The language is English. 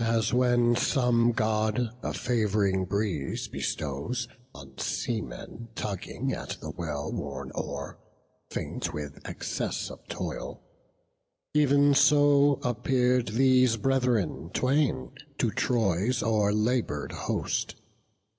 As when some God a fav'ring breeze bestows On seamen tugging at the well worn oar, Faint with excess of toil, ev'n so appear'd Those brethren twain to Troy's o'erlabour'd host.